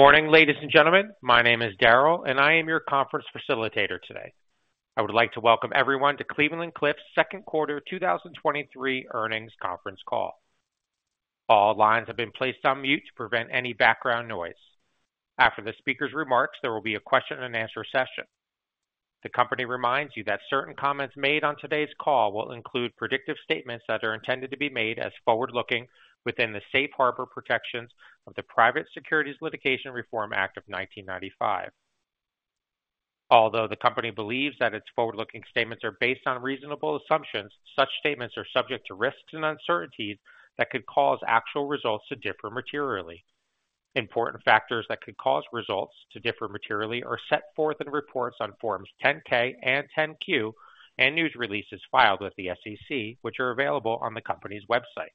Good morning, ladies and gentlemen. My name is Darryl. I am your conference facilitator today. I would like to welcome everyone to Cleveland-Cliffs Second Quarter 2023 Earnings Conference Call. All lines have been placed on mute to prevent any background noise. After the speaker's remarks, there will be a question and answer session. The company reminds you that certain comments made on today's call will include predictive statements that are intended to be made as forward-looking within the safe harbor protections of the Private Securities Litigation Reform Act of 1995. Although the company believes that its forward-looking statements are based on reasonable assumptions, such statements are subject to risks and uncertainties that could cause actual results to differ materially. Important factors that could cause results to differ materially are set forth in reports on Forms 10-K and 10-Q and news releases filed with the SEC, which are available on the company's website.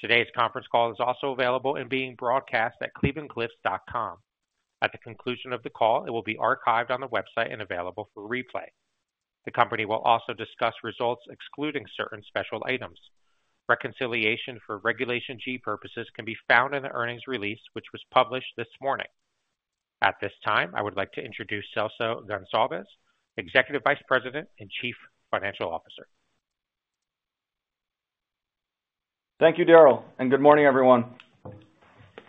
Today's conference call is also available and being broadcast at clevelandcliffs.com. At the conclusion of the call, it will be archived on the website and available for replay. The company will also discuss results, excluding certain special items. Reconciliation for Regulation G purposes can be found in the earnings release, which was published this morning. At this time, I would like to introduce Celso Goncalves, Executive Vice President and Chief Financial Officer. Thank you, Darryl, good morning, everyone.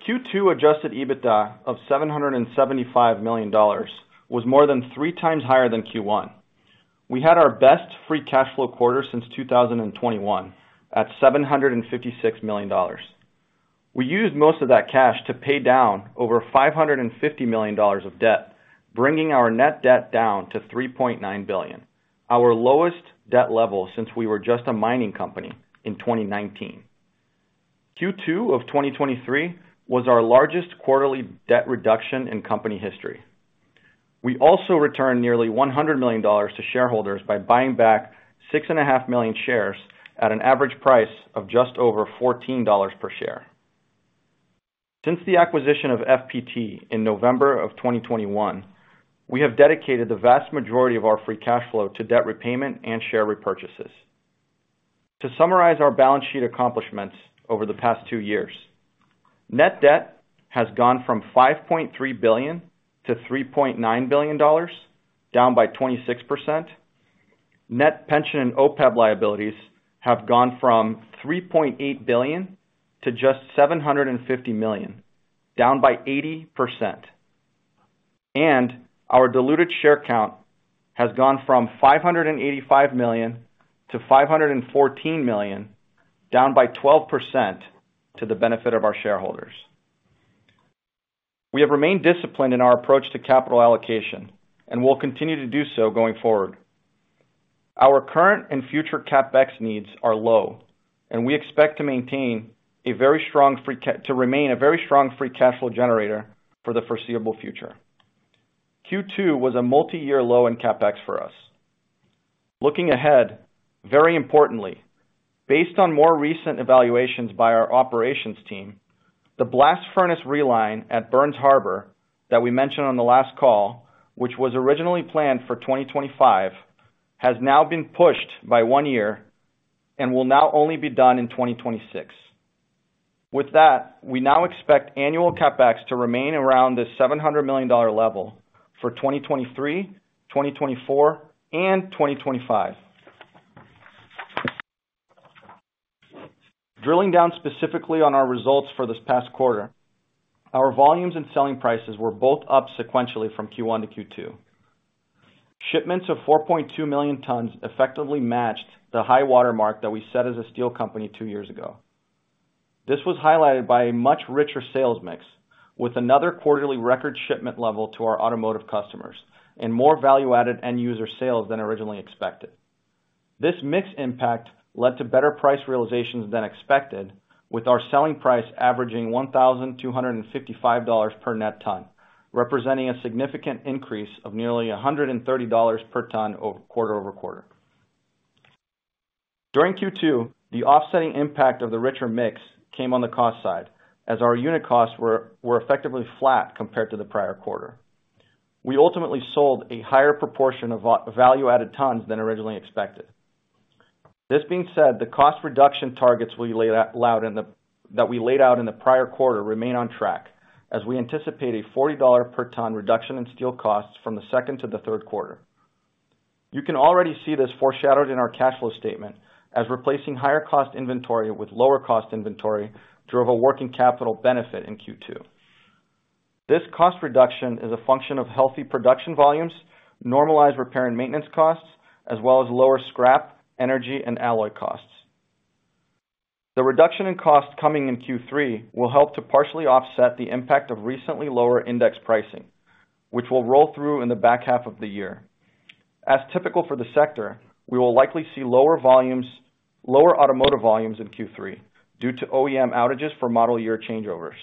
Q2 adjusted EBITDA of $775 million was more than 3x higher than Q1. We had our best free cash flow quarter since 2021 at $756 million. We used most of that cash to pay down over $550 million of debt, bringing our net debt down to $3.9 billion, our lowest debt level since we were just a mining company in 2019. Q2 of 2023 was our largest quarterly debt reduction in company history. We also returned nearly $100 million to shareholders by buying back 6.5 million shares at an average price of just over $14 per share. Since the acquisition of FPT in November of 2021, we have dedicated the vast majority of our free cash flow to debt repayment and share repurchases. To summarize our balance sheet accomplishments over the past two years, net debt has gone from $5.3 billion to $3.9 billion, down by 26%. Net pension and OPEB liabilities have gone from $3.8 billion to just $750 million, down by 80%, and our diluted share count has gone from $585 million to $514 million, down by 12% to the benefit of our shareholders. We have remained disciplined in our approach to capital allocation and will continue to do so going forward. Our current and future CapEx needs are low, and we expect to remain a very strong free cash flow generator for the foreseeable future. Q2 was a multi-year low in CapEx for us. Looking ahead, very importantly, based on more recent evaluations by our operations team, the blast furnace reline at Burns Harbor that we mentioned on the last call, which was originally planned for 2025, has now been pushed by one year and will now only be done in 2026. With that, we now expect annual CapEx to remain around the $700 million level for 2023, 2024, and 2025. Drilling down specifically on our results for this past quarter, our volumes and selling prices were both up sequentially from Q1 to Q2. Shipments of 4.2 million tons effectively matched the high watermark that we set as a steel company two years ago. This was highlighted by a much richer sales mix, with another quarterly record shipment level to our automotive customers and more value-added end-user sales than originally expected. This mix impact led to better price realizations than expected, with our selling price averaging $1,255 per net ton, representing a significant increase of nearly $130 per ton quarter-over-quarter. During Q2, the offsetting impact of the richer mix came on the cost side, as our unit costs were effectively flat compared to the prior quarter. We ultimately sold a higher proportion of value-added tons than originally expected. This being said, the cost reduction targets we laid out in the prior quarter remain on track, as we anticipate a $40 per ton reduction in steel costs from the second to the third quarter. You can already see this foreshadowed in our cash flow statement, as replacing higher-cost inventory with lower-cost inventory drove a working capital benefit in Q2. This cost reduction is a function of healthy production volumes, normalized repair and maintenance costs, as well as lower scrap, energy, and alloy costs. The reduction in cost coming in Q3 will help to partially offset the impact of recently lower index pricing, which will roll through in the back half of the year. As typical for the sector, we will likely see lower automotive volumes in Q3 due to OEM outages for model year changeovers.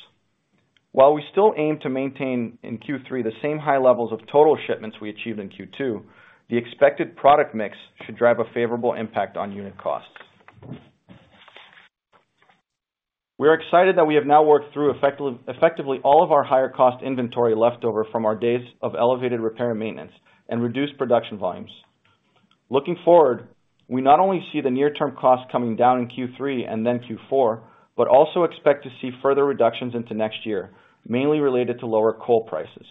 While we still aim to maintain in Q3 the same high levels of total shipments we achieved in Q2, the expected product mix should drive a favorable impact on unit costs. We are excited that we have now worked through effectively all of our higher-cost inventory leftover from our days of elevated repair and maintenance and reduced production volumes. Looking forward, we not only see the near-term costs coming down in Q3 and then Q4, but also expect to see further reductions into next year, mainly related to lower coal prices.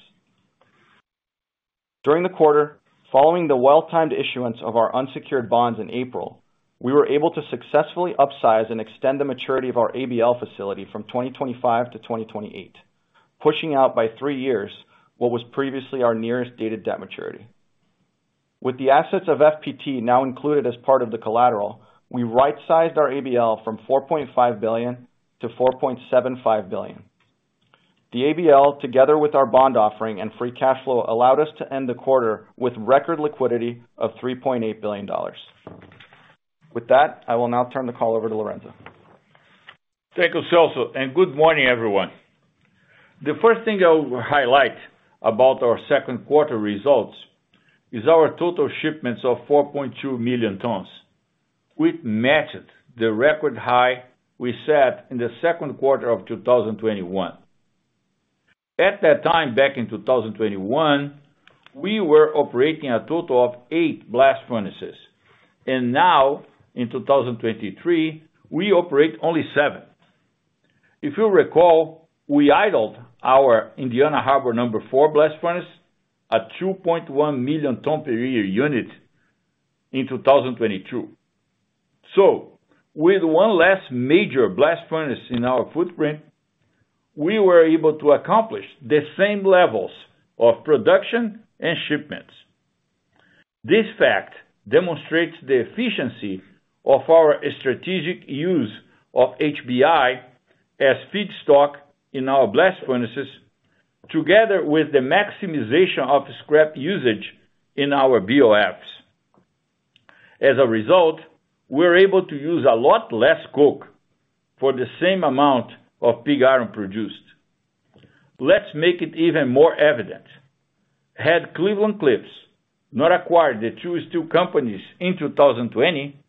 During the quarter, following the well-timed issuance of our unsecured bonds in April, we were able to successfully upsize and extend the maturity of our ABL facility from 2025 to 2028, pushing out by three years what was previously our nearest dated debt maturity. With the assets of FPT now included as part of the collateral, we right-sized our ABL from $4.5 billion to $4.75 billion. The ABL, together with our bond offering and free cash flow, allowed us to end the quarter with record liquidity of $3.8 billion. With that, I will now turn the call over to Lourenco. Thank you, Celso. Good morning, everyone. The first thing I will highlight about our second quarter results is our total shipments of 4.2 million tons, which matched the record high we set in the second quarter of 2021. At that time, back in 2021, we were operating a total of eight blast furnaces. Now in 2023, we operate only seven. If you recall, we idled our Indiana Harbor #4 blast furnace, a 2.1 million ton per year unit in 2022. With one less major blast furnace in our footprint, we were able to accomplish the same levels of production and shipments. This fact demonstrates the efficiency of our strategic use of HBI as feedstock in our blast furnaces, together with the maximization of scrap usage in our BOFs. As a result, we're able to use a lot less coke for the same amount of pig iron produced. Let's make it even more evident. Had Cleveland-Cliffs not acquired the two steel companies in 2020,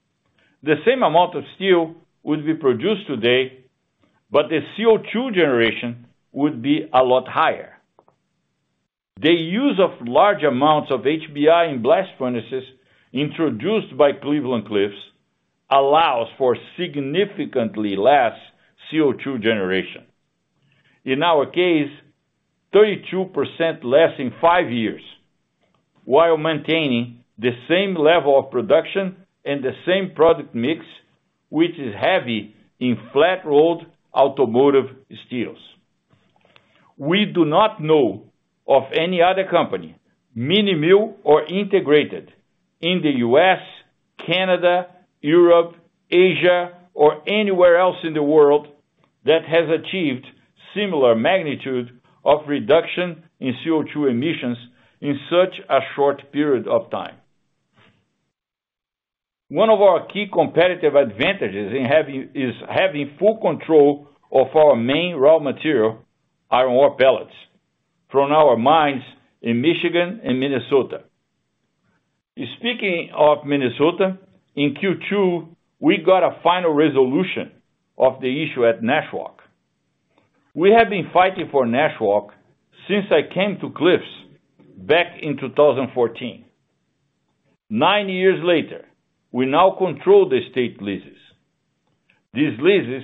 the same amount of steel would be produced today, but the CO2 generation would be a lot higher. The use of large amounts of HBI in blast furnaces, introduced by Cleveland-Cliffs, allows for significantly less CO2 generation. In our case, 32% less in five years, while maintaining the same level of production and the same product mix, which is heavy in flat-rolled automotive steels. We do not know of any other company, mini mill or integrated in the U.S., Canada, Europe, Asia, or anywhere else in the world, that has achieved similar magnitude of reduction in CO2 emissions in such a short period of time. One of our key competitive advantages is having full control of our main raw material, iron ore pellets, from our mines in Michigan and Minnesota. Speaking of Minnesota, in Q2, we got a final resolution of the issue at Nashwauk. We have been fighting for Nashwauk since I came to Cliffs back in 2014. Nine years later, we now control the state leases. These leases,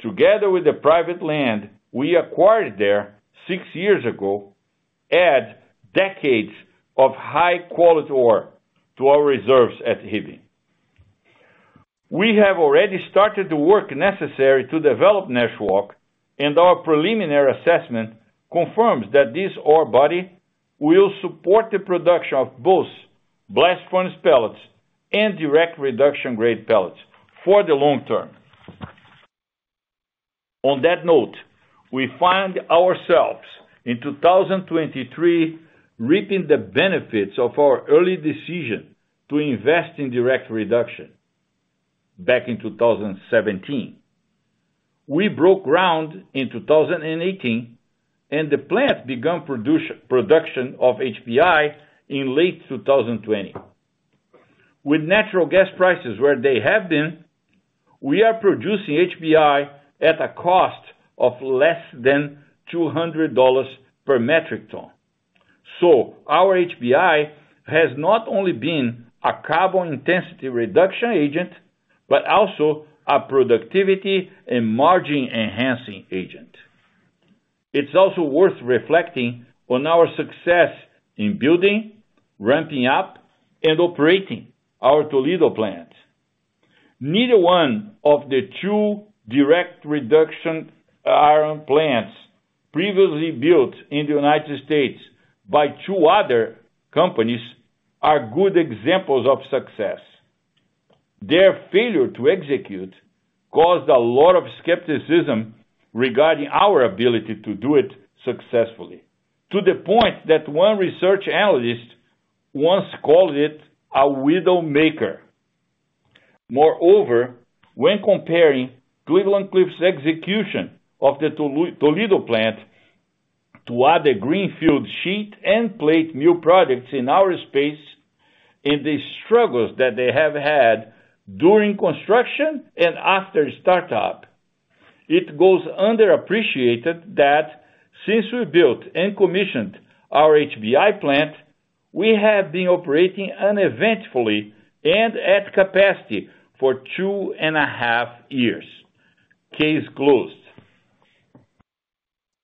together with the private land we acquired there six years ago, add decades of high-quality ore to our reserves at Hibbing. We have already started the work necessary to develop Nashwauk, and our preliminary assessment confirms that this ore body will support the production of both blast furnace pellets and direct reduction grade pellets for the long term. On that note, we find ourselves in 2023, reaping the benefits of our early decision to invest in direct reduction back in 2017. We broke ground in 2018, and the plant began production of HBI in late 2020. With natural gas prices where they have been, we are producing HBI at a cost of less than $200 per metric ton. Our HBI has not only been a carbon intensity reduction agent, but also a productivity and margin-enhancing agent. It's also worth reflecting on our success in building, ramping up, and operating our Toledo plant. Neither one of the two direct reduction iron plants previously built in the United States by two other companies, are good examples of success. Their failure to execute caused a lot of skepticism regarding our ability to do it successfully, to the point that one research analyst once called it a widow maker. Moreover, when comparing Cleveland-Cliffs' execution of the Toledo plant to other greenfield sheet and plate new projects in our space, and the struggles that they have had during construction and after startup. It goes underappreciated that since we built and commissioned our HBI plant, we have been operating uneventfully and at capacity for two and a half years. Case closed.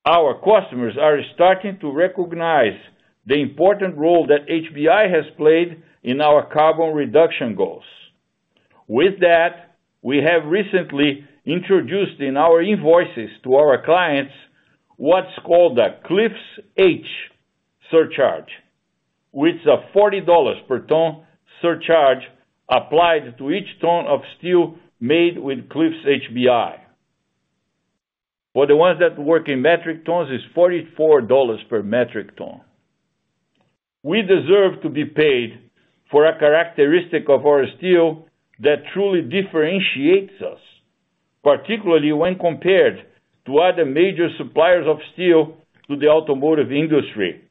Our customers are starting to recognize the important role that HBI has played in our carbon reduction goals. We have recently introduced in our invoices to our clients what's called the Cliffs H surcharge, which is a $40 per ton surcharge applied to each ton of steel made with Cliffs HBI. For the ones that work in metric tons, it's $44 per metric ton. We deserve to be paid for a characteristic of our steel that truly differentiates us, particularly when compared to other major suppliers of steel to the automotive industry,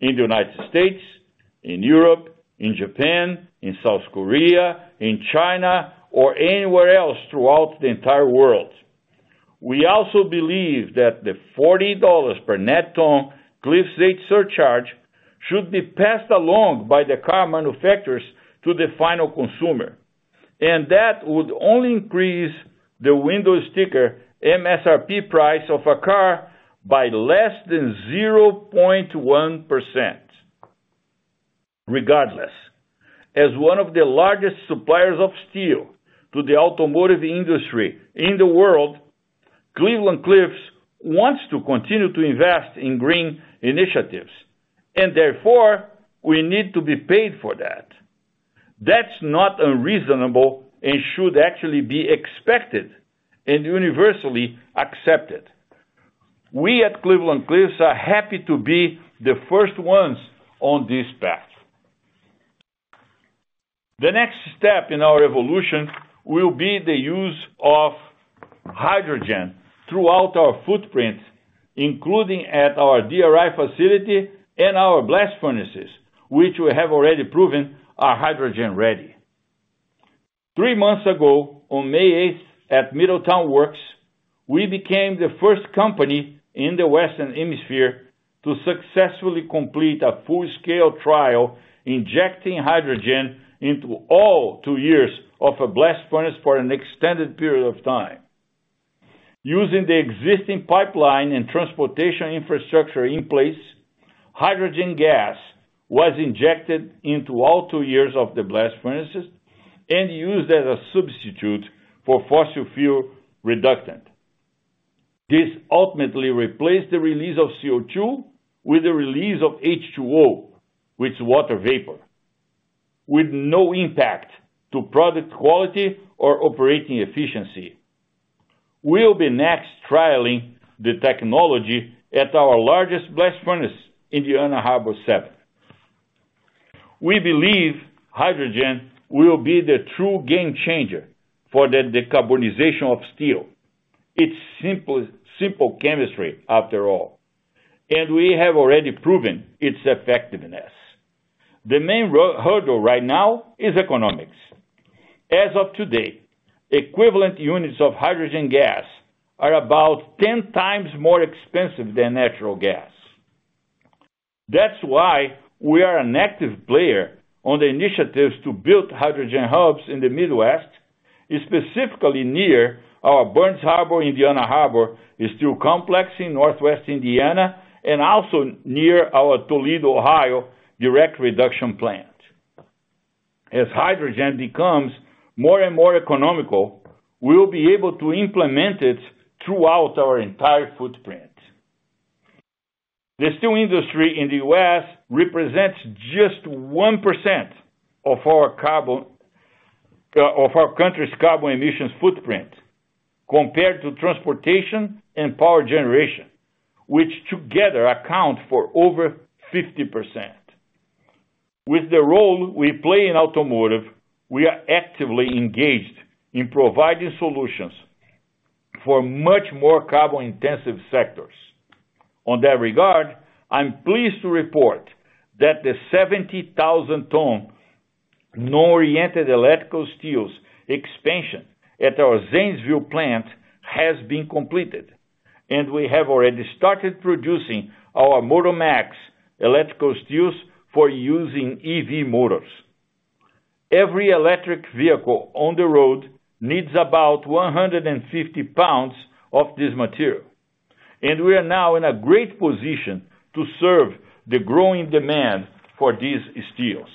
in the United States, in Europe, in Japan, in South Korea, in China, or anywhere else throughout the entire world. We also believe that the $40 per net ton Cliffs H surcharge should be passed along by the car manufacturers to the final consumer, and that would only increase the window sticker MSRP price of a car by less than 0.1%. Regardless, as one of the largest suppliers of steel to the automotive industry in the world, Cleveland-Cliffs wants to continue to invest in green initiatives, and therefore, we need to be paid for that. That's not unreasonable, and should actually be expected and universally accepted. We at Cleveland-Cliffs are happy to be the first ones on this path. The next step in our evolution will be the use of hydrogen throughout our footprint, including at our DRI facility and our blast furnaces, which we have already proven are hydrogen-ready. Three months ago, on May 8th, at Middletown Works, we became the first company in the Western Hemisphere to successfully complete a full-scale trial, injecting hydrogen into all two tuyeres of a blast furnace for an extended period of time. Using the existing pipeline and transportation infrastructure in place, hydrogen gas was injected into all two tuyeres of the blast furnaces and used as a substitute for fossil fuel reductant. This ultimately replaced the release of CO2 with the release of H2O, which is water vapor, with no impact to product quality or operating efficiency. We'll be next trialing the technology at our largest blast furnace, Indiana Harbor #7. We believe hydrogen will be the true game changer for the decarbonization of steel. It's simple chemistry after all, and we have already proven its effectiveness. The main hurdle right now is economics. As of today, equivalent units of hydrogen gas are about 10x more expensive than natural gas. That's why we are an active player on the initiatives to build hydrogen hubs in the Midwest, specifically near our Burns Harbor, Indiana Harbor, a steel complex in Northwest Indiana, and also near our Toledo, Ohio, direct reduction plant. As hydrogen becomes more and more economical, we will be able to implement it throughout our entire footprint. The steel industry in the U.S. represents just 1% of our carbon of our country's carbon emissions footprint, compared to transportation and power generation, which together account for over 50%. With the role we play in automotive, we are actively engaged in providing solutions for much more carbon-intensive sectors. On that regard, I'm pleased to report that the 70,000 ton non-oriented electrical steels expansion at our Zanesville plant has been completed, and we have already started producing our MOTOR-MAX electrical steels for using EV motors. Every electric vehicle on the road needs about 150 lbs of this material, and we are now in a great position to serve the growing demand for these steels.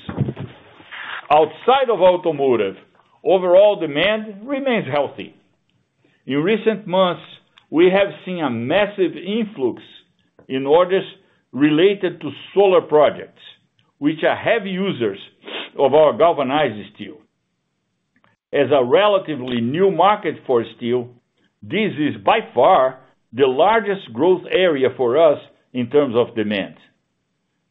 Outside of automotive, overall demand remains healthy. In recent months, we have seen a massive influx in orders related to solar projects, which are heavy users of our galvanized steel. As a relatively new market for steel, this is by far the largest growth area for us in terms of demand.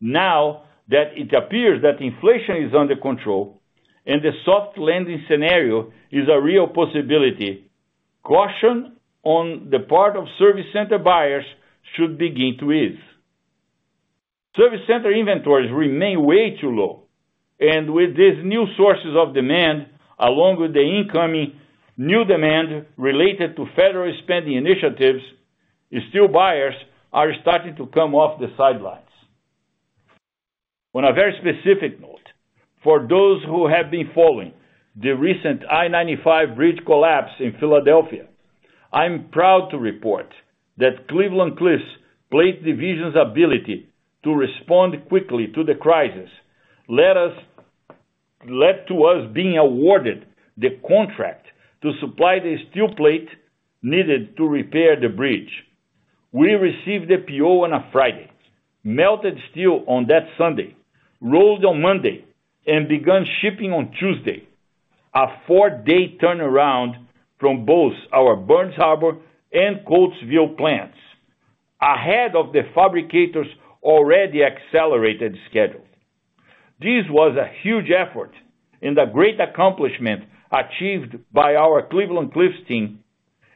Now, that it appears that inflation is under control and the soft landing scenario is a real possibility, caution on the part of service center buyers should begin to ease. Service center inventories remain way too low, with these new sources of demand, along with the incoming new demand related to federal spending initiatives, steel buyers are starting to come off the sidelines. On a very specific note, for those who have been following the recent I-95 bridge collapse in Philadelphia, I'm proud to report that Cleveland-Cliffs Plate division's ability to respond quickly to the crisis led to us being awarded the contract to supply the steel plate needed to repair the bridge. We received the PO on a Friday, melted steel on that Sunday, rolled on Monday, and began shipping on Tuesday. A four-day turnaround from both our Burns Harbor and Coatesville plants, ahead of the fabricators already accelerated schedule. This was a huge effort and a great accomplishment achieved by our Cleveland-Cliffs team.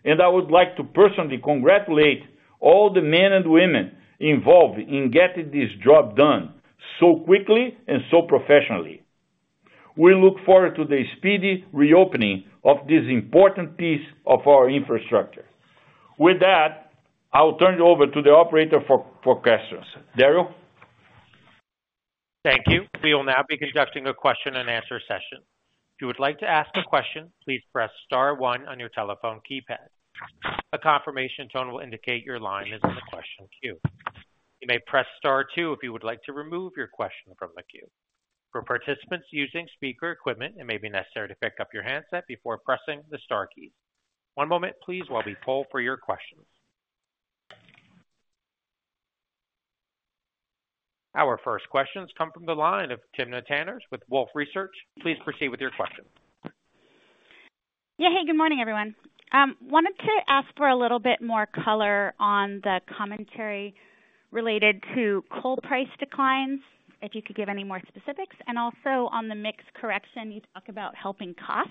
I would like to personally congratulate all the men and women involved in getting this job done so quickly and so professionally. We look forward to the speedy reopening of this important piece of our infrastructure. With that, I'll turn it over to the operator for questions. Darryl? Thank you. We will now be conducting a question and answer session. If you would like to ask a question, please press star one on your telephone keypad. A confirmation tone will indicate your line is in the question queue. You may press star two if you would like to remove your question from the queue. For participants using speaker equipment, it may be necessary to pick up your handset before pressing the star key. One moment please, while we poll for your questions. Our first questions come from the line of Timna Tanners with Wolfe Research. Please proceed with your question. Yeah, hey, good morning, everyone. wanted to ask for a little bit more color on the commentary related to coal price declines, if you could give any more specifics. Also on the mix correction, you talk about helping costs,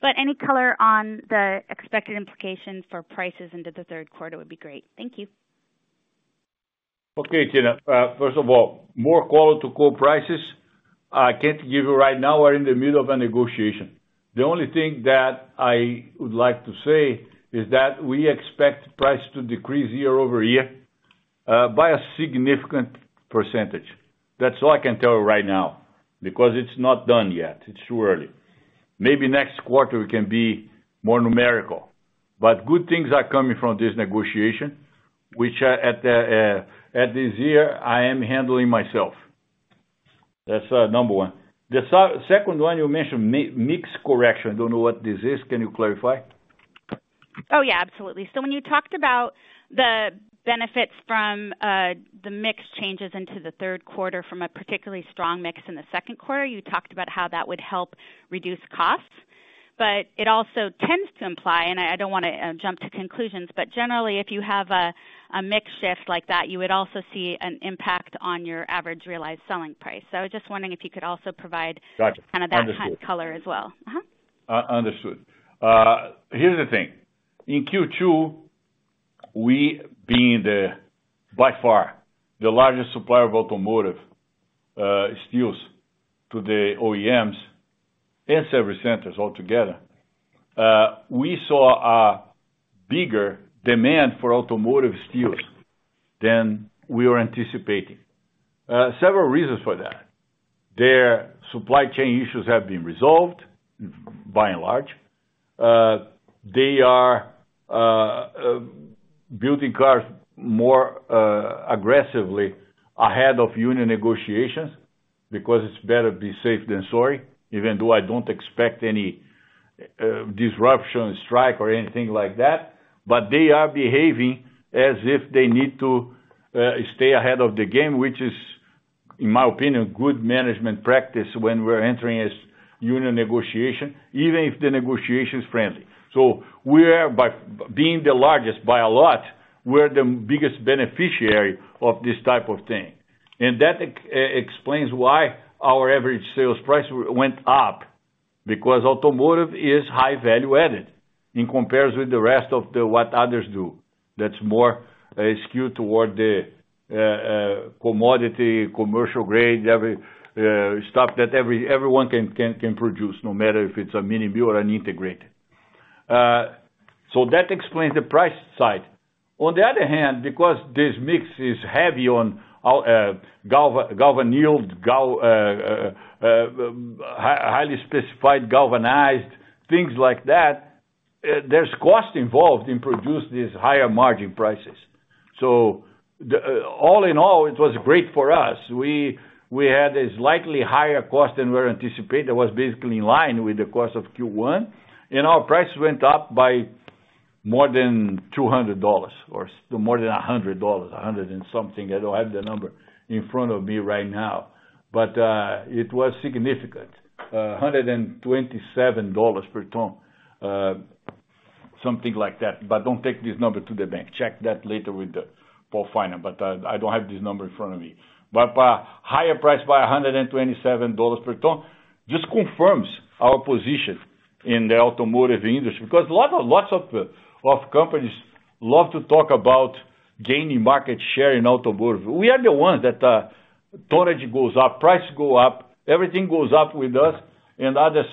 but any color on the expected implications for prices into the third quarter would be great. Thank you. First of all, more color to coal prices. I can't give you right now, we're in the middle of a negotiation. The only thing that I would like to say is that we expect price to decrease year-over-year by a significant percentage. That's all I can tell you right now, because it's not done yet. It's too early. Maybe next quarter we can be more numerical. Good things are coming from this negotiation, which this year, I am handling myself. That's number one. The second one, you mentioned mix correction. I don't know what this is. Can you clarify? Oh, yeah, absolutely. When you talked about the benefits from the mix changes into the third quarter from a particularly strong mix in the second quarter, you talked about how that would help reduce costs. It also tends to imply, and I don't wanna jump to conclusions, but generally, if you have a mix shift like that, you would also see an impact on your average realized selling price. I was just wondering if you could also provide. Gotcha. Kind of that kind of color as well. Understood. Here's the thing. In Q2, we being the, by far, the largest supplier of automotive steels to the OEMs and service centers altogether, we saw a bigger demand for automotive steels than we were anticipating. Several reasons for that. Their supply chain issues have been resolved, by and large. They are building cars more aggressively ahead of union negotiations because it's better be safe than sorry, even though I don't expect any disruption, strike or anything like that. They are behaving as if they need to stay ahead of the game, which is, in my opinion, good management practice when we're entering a union negotiation, even if the negotiation is friendly. Being the largest, by a lot, we're the biggest beneficiary of this type of thing. That explains why our average sales price went up, because automotive is high value added in comparison with the rest of what others do. That's more skewed toward the commodity, commercial grade, stuff that everyone can produce, no matter if it's a mini mill or an integrated. That explains the price side. On the other hand, because this mix is heavy on our galvanneal, highly specified galvanized, things like that, there's cost involved in producing these higher margin prices. All in all, it was great for us. We had a slightly higher cost than we were anticipating. It was basically in line with the cost of Q1, and our price went up by more than $200 or more than $100, $100 and something. I don't have the number in front of me right now, but it was significant. $127 per ton, something like that. Don't take this number to the bank. Check that later with Paul Finan, but I don't have this number in front of me. Higher price by $127 per ton, just confirms our position in the automotive industry, because a lot of, lots of companies love to talk about gaining market share in automotive. We are the ones that tonnage goes up, prices go up, everything goes up with us, and others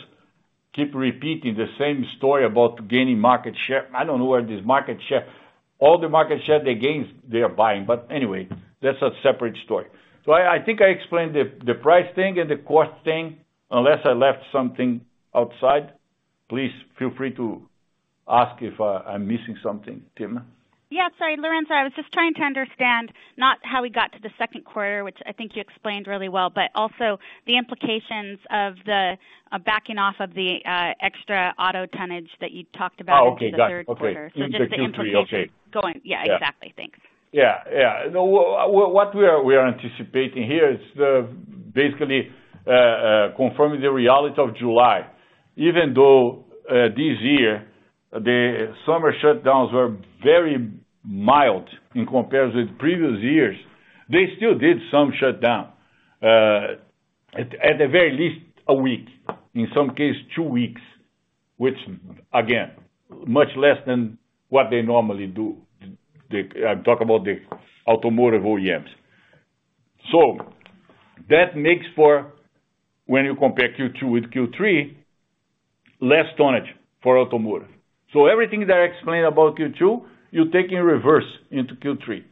keep repeating the same story about gaining market share. I don't know where All the market share they gains, they are buying, but anyway, that's a separate story. I think I explained the price thing and the cost thing, unless I left something outside. Please feel free to ask if I'm missing something. Tim? Sorry, Lourenco, I was just trying to understand not how we got to the second quarter, which I think you explained really well, but also the implications of the backing off of the extra auto tonnage that you talked about. Oh, okay. Got it. In the third quarter. Okay. just the implication- Okay. Going. Yeah, exactly. Thanks. Yeah, yeah. No, what we are anticipating here is, basically, confirming the reality of July. Even though this year, the summer shutdowns were very mild in comparison with previous years, they still did some shutdown. At the very least, a week, in some case, two weeks, which, again, much less than what they normally do. I'm talking about the automotive OEMs. That makes for when you compare Q2 with Q3, less tonnage for automotive. Everything that I explained about Q2, you take in reverse into Q3.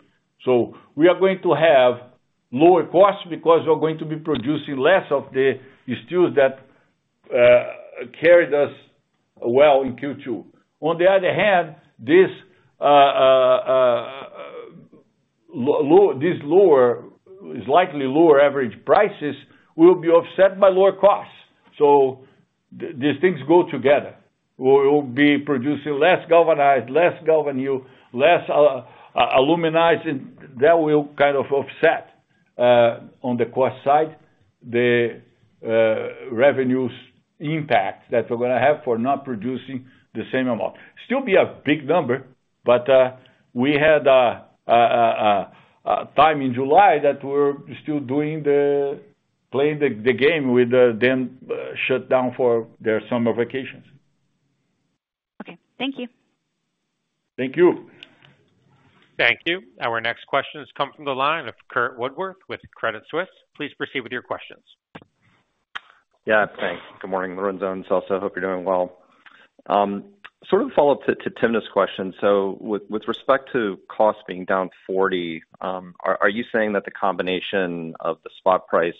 We are going to have lower costs because we're going to be producing less of the steels that carried us well in Q2. On the other hand, this low, this lower, is likely lower average prices will be offset by lower costs. These things go together. We'll be producing less galvanized, less galvanneal, less aluminizing. That will kind of offset on the cost side, the revenues impact that we're gonna have for not producing the same amount. Still be a big number, but we had a time in July that we're still doing the playing the game with them shut down for their summer vacations. Okay. Thank you. Thank you. Thank you. Our next question has come from the line of Curt Woodworth with Credit Suisse. Please proceed with your questions. Thanks. Good morning, Lourenco and Celso. Hope you're doing well. Sort of a follow-up to Timna's question. With respect to cost being down $40, are you saying that the combination of the spot price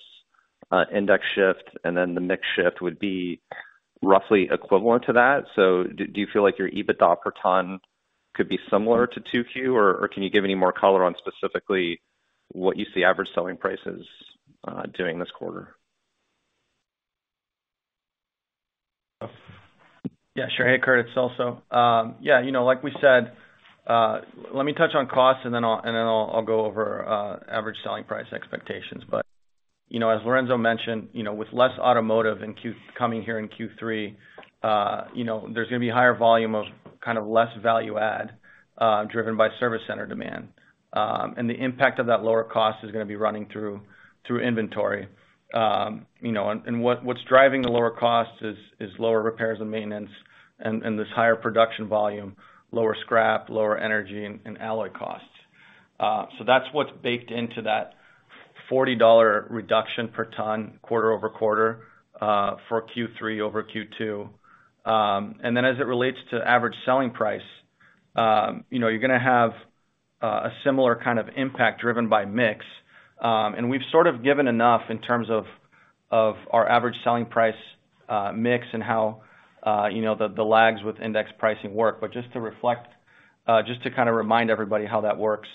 index shift and then the mix shift would be roughly equivalent to that? Do you feel like your EBITDA per ton could be similar to 2Q, or can you give any more color on specifically what you see average selling prices doing this quarter? Yeah, sure. Hey, Curt, it's Celso. Yeah, you know, like we said, let me touch on costs, and then I'll go over average selling price expectations. You know, as Lourenco mentioned, you know, with less automotive in Q3, you know, there's gonna be higher volume of kind of less value add, driven by service center demand. The impact of that lower cost is gonna be running through inventory. You know, what's driving the lower costs is lower repairs and maintenance and this higher production volume, lower scrap, lower energy and alloy costs. That's what's baked into that $40 per ton reduction, quarter-over-quarter, for Q3 over Q2. As it relates to average selling price, you know, you're gonna have a similar kind of impact driven by mix. We've sort of given enough in terms of our average selling price mix and how, you know, the lags with index pricing work. Just to reflect, just to kind of remind everybody how that works,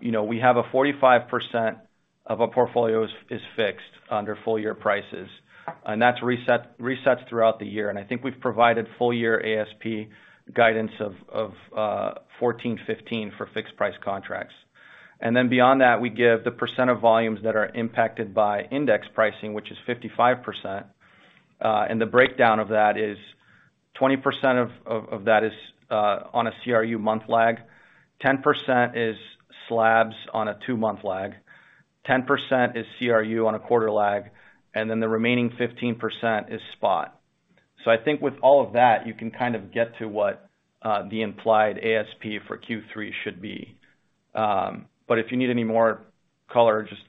you know, we have a 45% of our portfolio is fixed under full year prices, and that resets throughout the year. I think we've provided full year ASP guidance of 14, 15 for fixed price contracts. Beyond that, we give the percent of volumes that are impacted by index pricing, which is 55%. The breakdown of that is 20% of that is on a CRU month lag, 10% is slabs on a two-month lag, 10% is CRU on a quarter lag, the remaining 15% is spot. I think with all of that, you can kind of get to what the implied ASP for Q3 should be. If you need any more color, just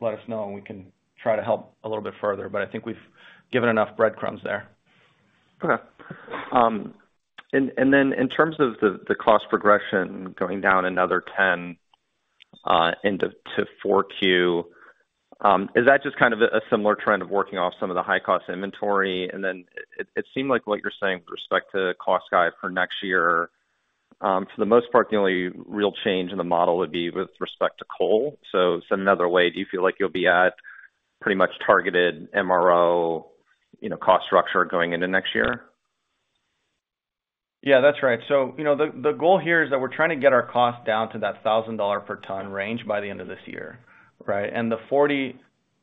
let us know, we can try to help a little bit further, I think we've given enough breadcrumbs there. Okay. In terms of the cost progression going down another 10% into 4Q, is that just kind of a similar trend of working off some of the high-cost inventory? It seemed like what you're saying with respect to cost guide for next year, for the most part, the only real change in the model would be with respect to coal. Said another way, do you feel like you'll be at pretty much targeted MRO, you know, cost structure going into next year? That's right. You know, the goal here is that we're trying to get our costs down to that $1,000 per ton range by the end of this year, right? The 40%,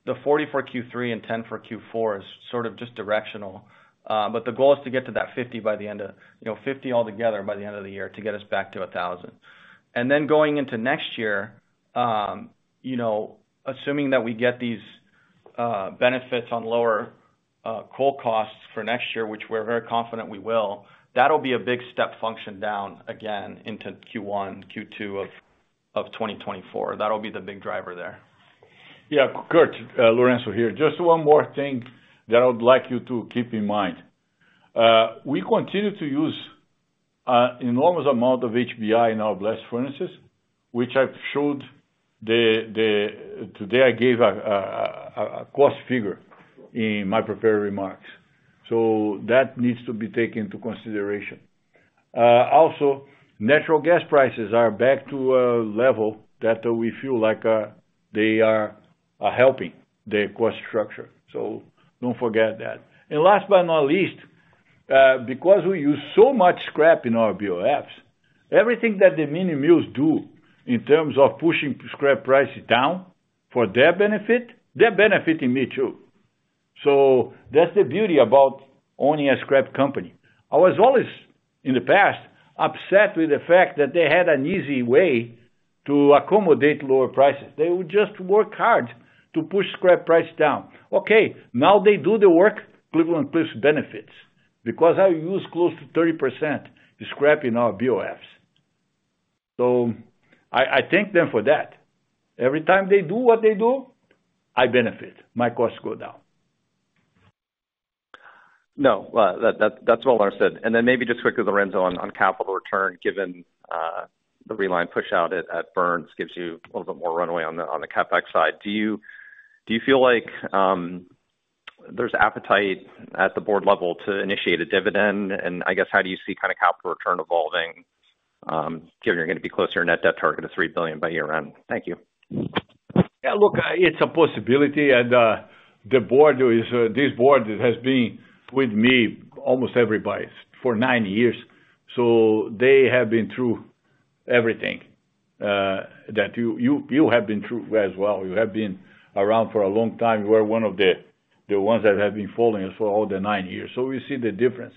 the 40% for Q3 and 10% for Q4 is sort of just directional. The goal is to get to that 50% by the end of... You know, 50% altogether by the end of the year, to get us back to $1,000. Going into next year-... you know, assuming that we get these benefits on lower coal costs for next year, which we're very confident we will, that'll be a big step function down again into Q1, Q2 of 2024. That'll be the big driver there. Yeah, Curt, Lourenco here. Just one more thing that I would like you to keep in mind. We continue to use enormous amount of HBI in our blast furnaces, which I've showed today I gave a cost figure in my prepared remarks. That needs to be taken into consideration. Also, natural gas prices are back to a level that we feel like they are helping the cost structure. Don't forget that. Last but not least, because we use so much scrap in our BOFs, everything that the mini mills do in terms of pushing scrap prices down for their benefit, they're benefiting me, too. That's the beauty about owning a scrap company. I was always, in the past, upset with the fact that they had an easy way to accommodate lower prices. They would just work hard to push scrap price down. Okay, now they do the work, Cleveland-Cliffs benefits, because I use close to 30% scrap in our BOFs. I thank them for that. Every time they do what they do, I benefit. My costs go down. Well, that's well said. Maybe just quickly, Lourenco, on capital return, given the reline push out at Burns gives you a little bit more runway on the CapEx side. Do you feel like there's appetite at the board level to initiate a dividend? I guess, how do you see kind of capital return evolving, given you're gonna be closer to net debt target of $3 billion by year-end? Thank you. Look, it's a possibility. This board has been with me, almost everybody, for nine years, so they have been through everything that you have been through as well. You have been around for a long time. You are one of the ones that have been following us for all the nine years, so we see the difference.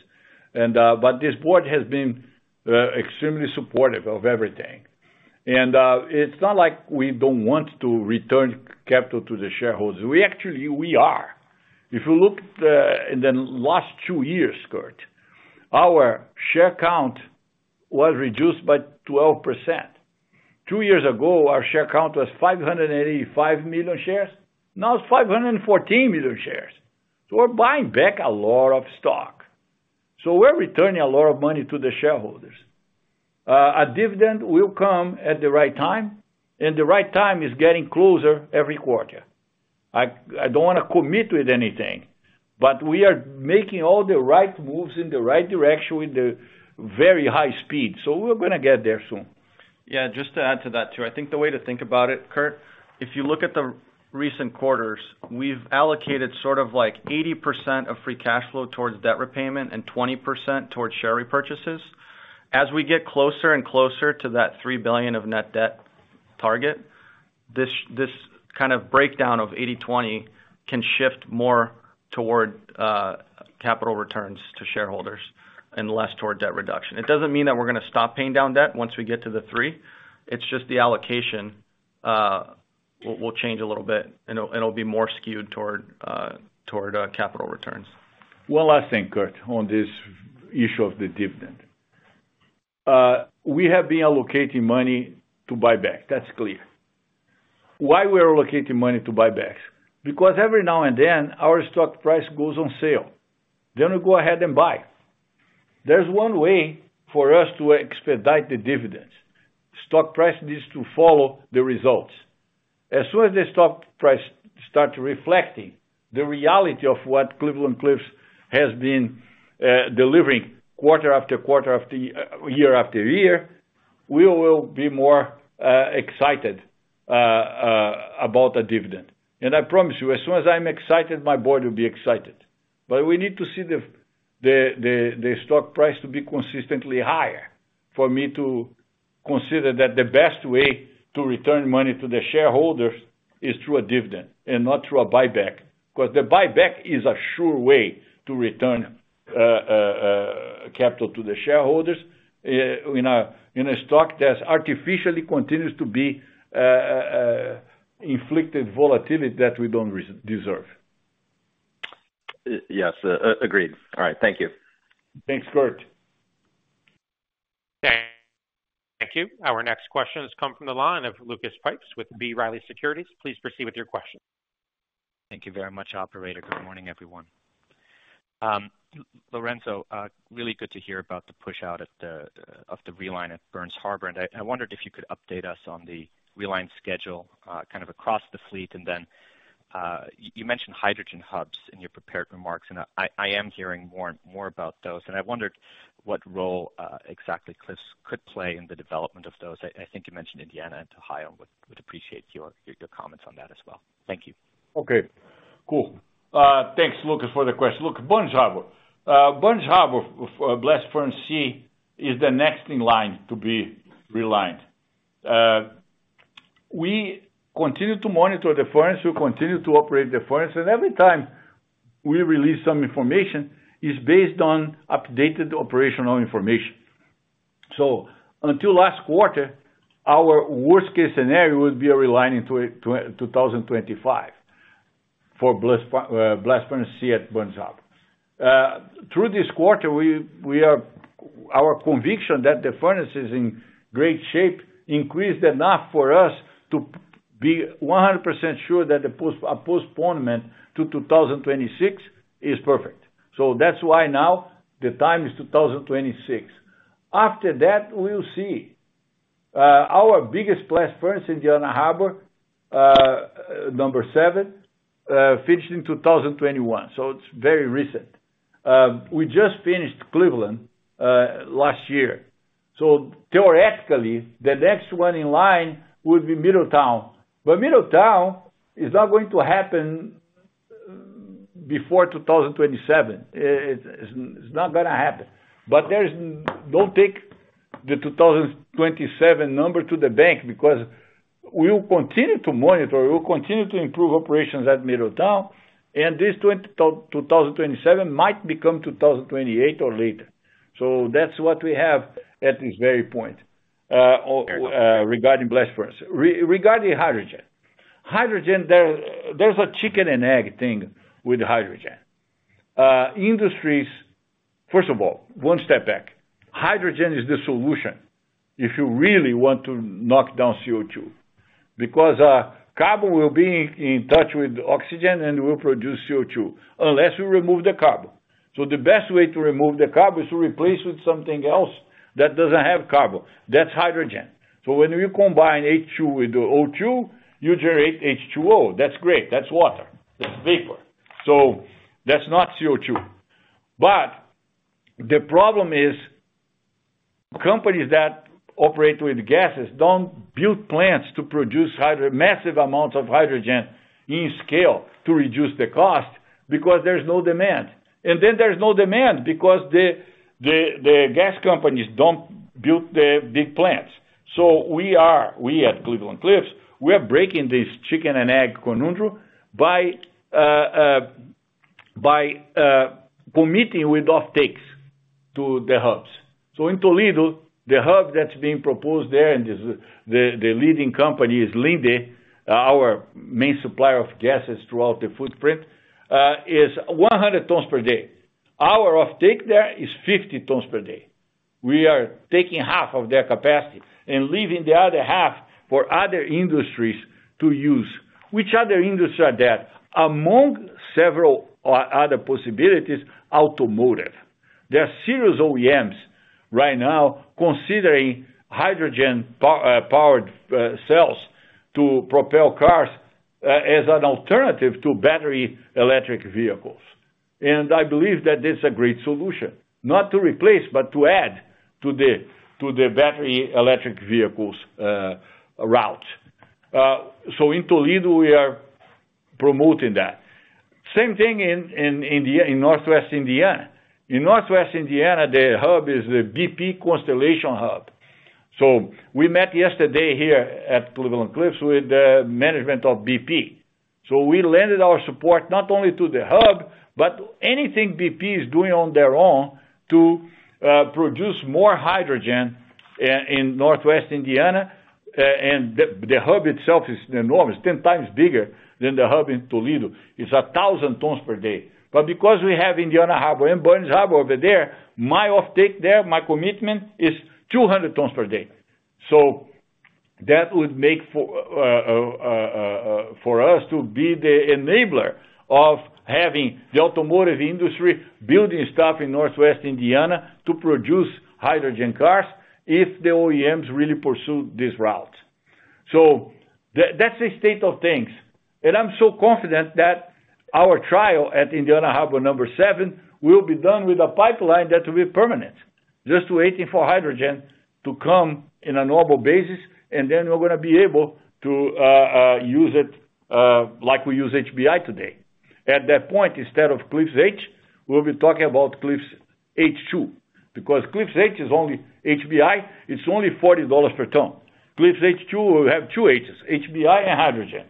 This board has been extremely supportive of everything. It's not like we don't want to return capital to the shareholders. We actually are. If you look at in the last two years, Curt, our share count was reduced by 12%. Two years ago, our share count was 585 million shares. Now, it's 514 million shares. We're buying back a lot of stock. We're returning a lot of money to the shareholders. A dividend will come at the right time, and the right time is getting closer every quarter. I don't wanna commit with anything, but we are making all the right moves in the right direction with the very high speed, so we're gonna get there soon. Yeah, just to add to that, too. I think the way to think about it, Curt, if you look at the recent quarters, we've allocated sort of like 80% of free cash flow towards debt repayment and 20% towards share repurchases. As we get closer and closer to that $3 billion of net debt target, this kind of breakdown of 80/20 can shift more toward capital returns to shareholders and less toward debt reduction. It doesn't mean that we're gonna stop paying down debt once we get to the three. It's just the allocation will change a little bit, and it'll be more skewed toward capital returns. Last thing, Curt, on this issue of the dividend. We have been allocating money to buy back. That's clear. Why we are allocating money to buy back? Every now and then, our stock price goes on sale, then we go ahead and buy. There's one way for us to expedite the dividends. Stock price needs to follow the results. As soon as the stock price start reflecting the reality of what Cleveland-Cliffs has been delivering quarter after quarter after year after year, we will be more excited about the dividend. I promise you, as soon as I'm excited, my board will be excited. We need to see the stock price to be consistently higher for me to consider that the best way to return money to the shareholders is through a dividend and not through a buyback. The buyback is a sure way to return capital to the shareholders in a stock that artificially continues to be inflicted volatility that we don't deserve. Yes, agreed. All right. Thank you. Thanks, Curt. Thank you. Our next question has come from the line of Lucas Pipes with B. Riley Securities. Please proceed with your question. Thank you very much, operator. Good morning, everyone. Lourenco, really good to hear about the pushout at the of the reline at Burns Harbor, and I wondered if you could update us on the reline schedule kind of across the fleet. You mentioned hydrogen hubs in your prepared remarks, and I am hearing more and more about those, and I wondered what role exactly Cliffs could play in the development of those. I think you mentioned Indiana and Ohio, would appreciate your comments on that as well. Thank you. Okay, cool. Thanks, Lucas, for the question. Look, Burns Harbor. Burns Harbor, blast furnace C, is the next in line to be relined. We continue to monitor the furnace. We continue to operate the furnace. Every time we release some information is based on updated operational information. Until last quarter, our worst-case scenario would be a relining to 2025 for blast furnace C at Burns Harbor. Through this quarter, our conviction that the furnace is in great shape increased enough for us to be 100% sure that the post, a postponement to 2026 is perfect. That's why now the time is 2026. After that, we'll see. Our biggest blast furnace in Indiana Harbor #7, finished in 2021, so it's very recent. We just finished Cleveland last year. Theoretically, the next one in line would be Middletown. Middletown is not going to happen before 2027. It's not gonna happen. Don't take the 2027 number to the bank, because we'll continue to monitor, we'll continue to improve operations at Middletown, and this 2027 might become 2028 or later. That's what we have at this very point, or regarding blast furnace. Regarding hydrogen. Hydrogen, there's a chicken and egg thing with hydrogen. Industries, first of all, one step back. Hydrogen is the solution if you really want to knock down CO2, because carbon will be in touch with oxygen, and will produce CO2, unless you remove the carbon. The best way to remove the carbon is to replace with something else that doesn't have carbon. That's hydrogen. When you combine H2 with O2, you generate H2O. That's great. That's water, that's vapor. That's not CO2. The problem is, companies that operate with gases don't build plants to produce massive amounts of hydrogen in scale to reduce the cost, because there's no demand. There's no demand because the gas companies don't build the big plants. We at Cleveland-Cliffs are breaking this chicken and egg conundrum by committing with offtakes to the hubs. In Toledo, the hub that's being proposed there, and is the leading company, is Linde, our main supplier of gases throughout the footprint, is 100 tons per day. Our offtake there is 50 tons per day. We are taking half of their capacity and leaving the other half for other industries to use. Which other industry are there? Among several other possibilities, automotive. There are serious OEMs right now considering hydrogen powered cells to propel cars as an alternative to battery electric vehicles. I believe that this is a great solution, not to replace, but to add to the battery electric vehicles route. In Toledo, we are promoting that. Same thing in Northwest Indiana. In Northwest Indiana, the hub is the BP Constellation hub. We met yesterday here at Cleveland-Cliffs with the management of BP. We lended our support not only to the hub, but anything BP is doing on their own to produce more hydrogen in Northwest Indiana. And the hub itself is enormous, 10x bigger than the hub in Toledo. It's 1,000 tons per day. Because we have Indiana Harbor and Burns Harbor over there, my offtake there, my commitment is 200 tons per day. That would make for us to be the enabler of having the automotive industry building stuff in Northwest Indiana to produce hydrogen cars if the OEMs really pursue this route. That's the state of things. I'm so confident that our trial at Indiana Harbor #7, will be done with a pipeline that will be permanent, just waiting for hydrogen to come in a normal basis, and then we're gonna be able to use it like we use HBI today. At that point, instead of Cliffs H, we'll be talking about Cliffs H2, because Cliffs H is only HBI, it's only $40 per ton. Cliffs H2 will have two Hs, HBI and hydrogen,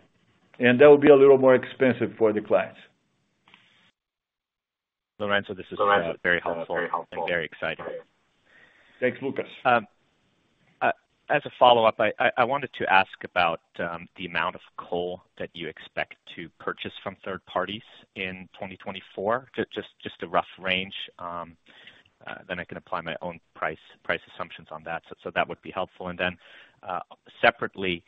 and that will be a little more expensive for the clients. Lourenco, this is very helpful and very exciting. Thanks, Lucas. As a follow-up, I wanted to ask about the amount of coal that you expect to purchase from third parties in 2024. Just a rough range, then I can apply my own price assumptions on that. That would be helpful. Then, separately,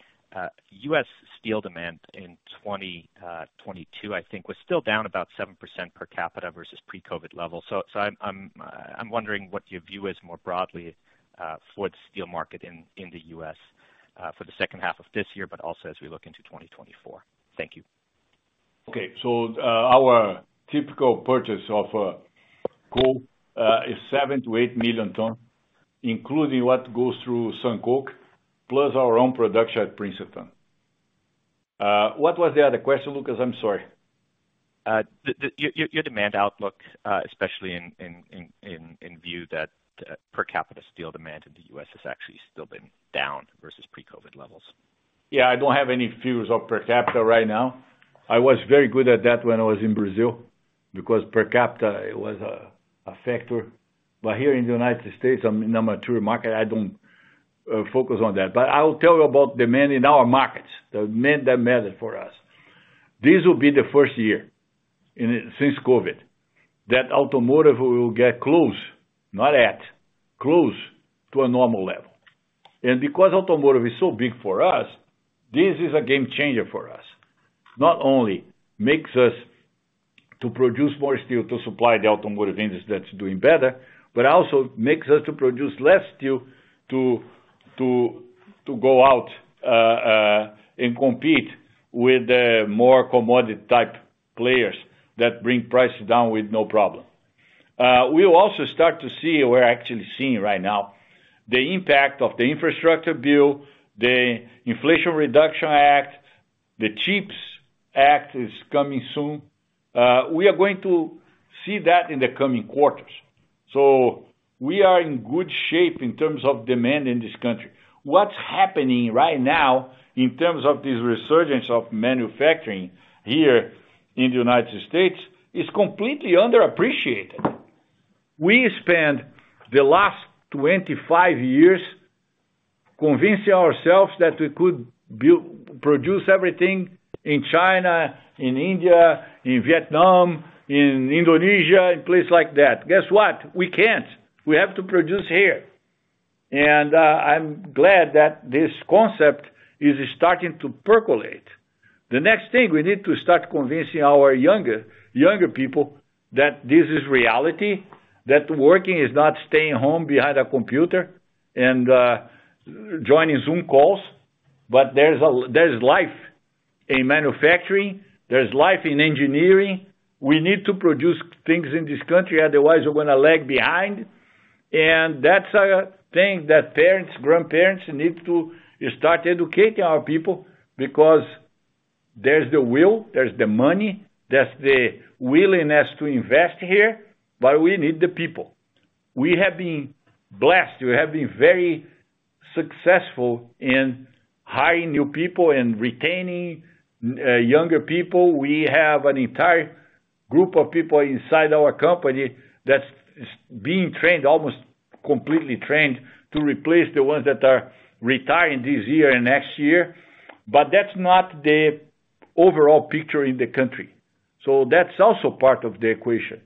U.S. steel demand in 2022, I think, was still down about 7% per capita versus pre-COVID levels. I'm wondering what your view is more broadly for the steel market in the U.S. for the second half of this year, but also as we look into 2024. Thank you. Okay. Our typical purchase of coal is 7-8 million tons, including what goes through SunCoke, plus our own production at Princeton. What was the other question, Lucas? I'm sorry. The your demand outlook, especially in view that, per capita steel demand in the U.S. has actually still been down versus pre-COVID levels. I don't have any fears of per capita right now. I was very good at that when I was in Brazil, because per capita, it was a factor. Here in the United States, I'm in a mature market, I don't focus on that. I will tell you about demand in our markets, the demand that matter for us. This will be the first year in, since COVID, that automotive will get close, not at, close to a normal level. Because automotive is so big for us, this is a game changer for us. Not only makes us to produce more steel to supply the automotive industry that's doing better, but also makes us to produce less steel to go out and compete with the more commodity type players that bring prices down with no problem. We'll also start to see, we're actually seeing right now, the impact of the infrastructure bill, the Inflation Reduction Act, the CHIPS Act is coming soon. We are going to see that in the coming quarters. We are in good shape in terms of demand in this country. What's happening right now, in terms of this resurgence of manufacturing here in the United States, is completely underappreciated. We spent the last 25 years convincing ourselves that we could produce everything in China, in India, in Vietnam, in Indonesia, in places like that. Guess what? We can't. We have to produce here. I'm glad that this concept is starting to percolate. The next thing, we need to start convincing our younger people that this is reality, that working is not staying home behind a computer and joining Zoom calls, but there's life in manufacturing, there's life in engineering. We need to produce things in this country, otherwise we're gonna lag behind. That's a thing that parents, grandparents, need to start educating our people, because there's the will, there's the money, there's the willingness to invest here, but we need the people. We have been blessed. We have been very successful in hiring new people and retaining younger people. We have an entire group of people inside our company that's being trained, almost completely trained, to replace the ones that are retiring this year and next year. That's not the overall picture in the country. That's also part of the equation.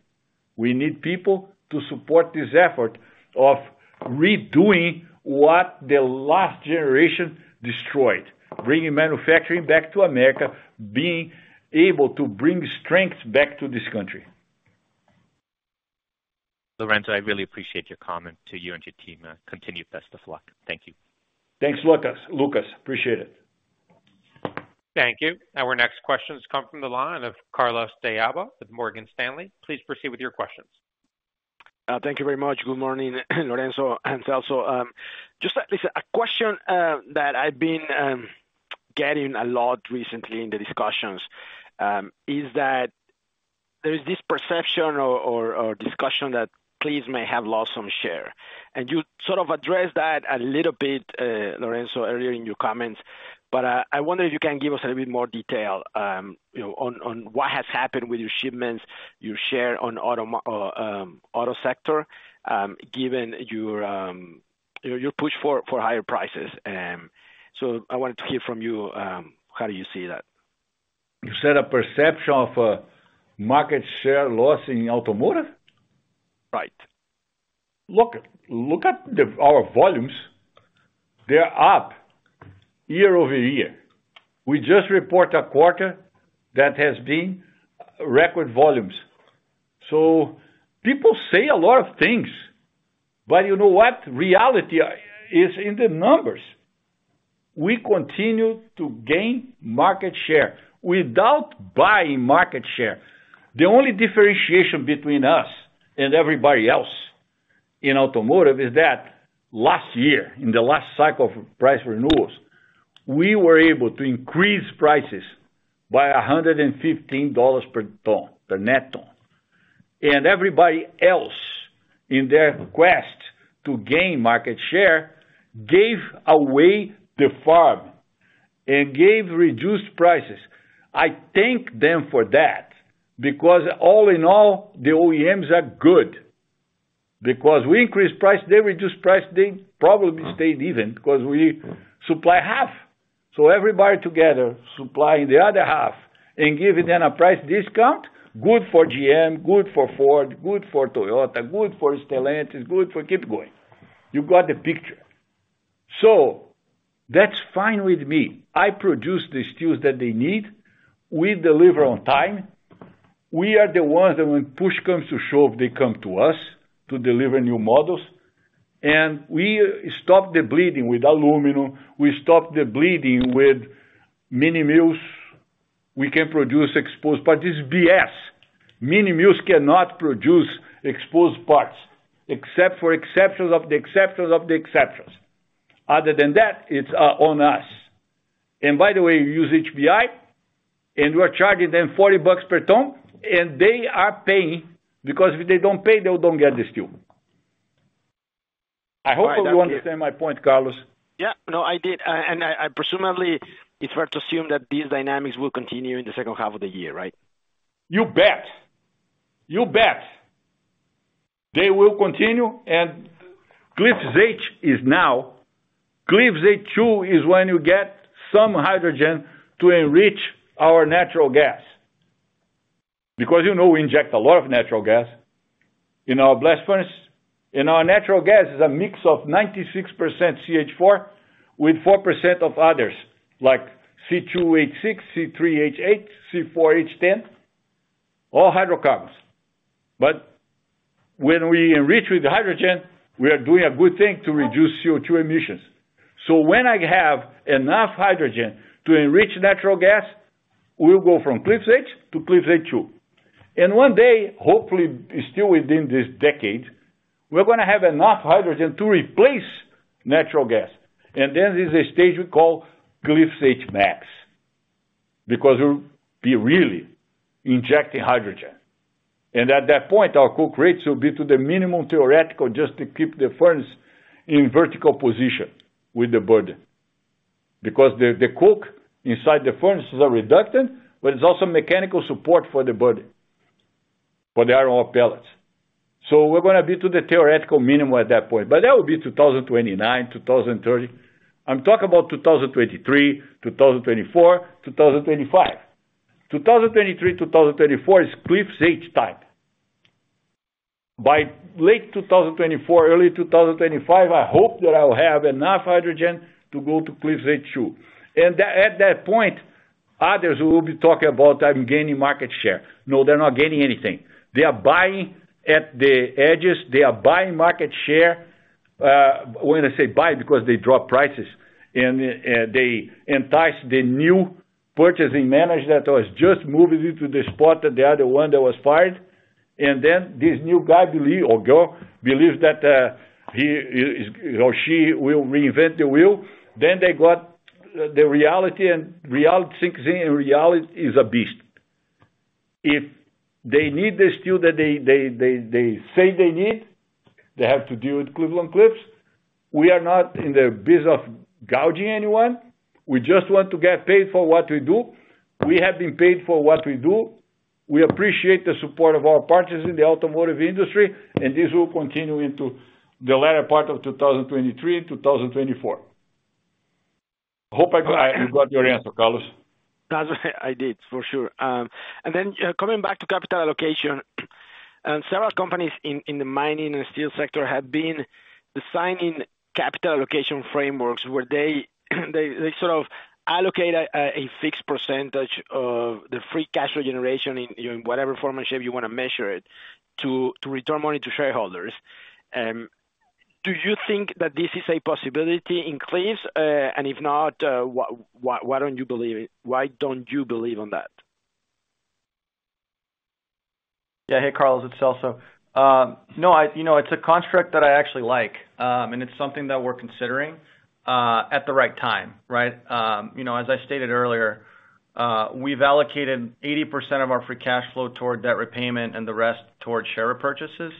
We need people to support this effort of redoing what the last generation destroyed, bringing manufacturing back to America, being able to bring strengths back to this country. Lourenco, I really appreciate your comment. To you and your team, continued best of luck. Thank you. Thanks, Lucas. Lucas, appreciate it. Thank you. Our next question has come from the line of Carlos de Alba with Morgan Stanley. Please proceed with your questions. Thank you very much. Good morning, Lourenco and Celso. Just at least a question that I've been getting a lot recently in the discussions is that there is this perception or discussion that Cliffs may have lost some share. You sort of addressed that a little bit, Lourenco, earlier in your comments, but I wonder if you can give us a little bit more detail, you know, on what has happened with your shipments, your share on auto sector, given your push for higher prices. I wanted to hear from you, how do you see that? You said a perception of market share loss in automotive? Right. Look at our volumes. They're up year-over-year. We just report a quarter that has been record volumes. People say a lot of things, but you know what? Reality is in the numbers. We continue to gain market share without buying market share. The only differentiation between us and everybody else in automotive is that last year, in the last cycle of price renewals, we were able to increase prices by $115 per ton, per net ton. Everybody else, in their quest to gain market share, gave away the farm and gave reduced prices. I thank them for that, because all in all, the OEMs are good. Because we increase price, they reduce price, they probably stayed even, because we supply half. Everybody together supplying the other half and giving them a price discount, good for GM, good for Ford, good for Toyota, good for Stellantis, good for keep going. You got the picture. That's fine with me. I produce the steels that they need. We deliver on time. We are the ones that when push comes to show, they come to us to deliver new models, and we stop the bleeding with aluminum, we stop the bleeding with mini mills. We can produce exposed, this is BS. Mini mills cannot produce exposed parts, except for exceptions of the exceptions of the exceptions. Other than that, it's on us. By the way, we use HBI, and we're charging them $40 per ton, and they are paying, because if they don't pay, they don't get the steel. I hope you understand my point, Carlos. Yeah. No, I did. I presumably, it's fair to assume that these dynamics will continue in the second half of the year, right? You bet! You bet. They will continue. Cliffs H is now. Cliffs H2 is when you get some hydrogen to enrich our natural gas. You know, we inject a lot of natural gas in our blast furnace. Our natural gas is a mix of 96% CH4, with 4% of others, like C2H6, C3H8, C4H10, all hydrocarbons. When we enrich with the hydrogen, we are doing a good thing to reduce CO2 emissions. When I have enough hydrogen to enrich natural gas, we'll go from Cliffs H to Cliffs H2. One day, hopefully, still within this decade, we're gonna have enough hydrogen to replace natural gas. There's a stage we call Cliffs H max, because we'll be really injecting hydrogen. At that point, our coke rates will be to the minimum theoretical, just to keep the furnace in vertical position with the burden. Because the coke inside the furnaces are reductant, but it's also mechanical support for the burden, for the iron ore pellets. We're gonna be to the theoretical minimum at that point, but that will be 2029, 2030. I'm talking about 2023, 2024, 2025. 2023, 2024 is Cliffs H time. By late 2024, early 2025, I hope that I'll have enough hydrogen to go to Cliffs H2. At that point, others will be talking about, I'm gaining market share. No, they're not gaining anything. They are buying at the edges. They are buying market share. When I say buy, because they drop prices, they entice the new purchasing manager that was just moved into the spot, the other one that was fired. This new guy believe or girl, believes that he is, or she will reinvent the wheel. They got the reality sinks in, and reality is a beast. If they need the steel that they say they need, they have to deal with Cleveland-Cliffs. We are not in the business of gouging anyone. We just want to get paid for what we do. We have been paid for what we do. We appreciate the support of our partners in the automotive industry, this will continue into the latter part of 2023, 2024. Hope I got your answer, Carlos. I did, for sure. Then coming back to capital allocation, several companies in the mining and steel sector have been designing capital allocation frameworks, where they sort of allocate a fixed percentage of the free cash flow generation in whatever form or shape you want to measure it, to return money to shareholders. Do you think that this is a possibility in Cliffs? If not, why don't you believe on that? Yeah. Hey, Carlos, it's Celso. No, you know, it's a construct that I actually like, and it's something that we're considering at the right time, right? You know, as I stated earlier, we've allocated 80% of our free cash flow toward debt repayment and the rest towards share repurchases.